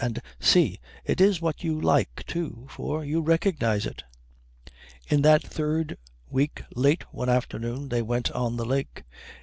and see, it is what you are like, too, for you recognise it." In that third week late one afternoon they went on the lake.